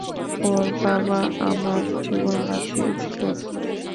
ওর বাবা আমার জীবন বাঁচিয়েছিলেন।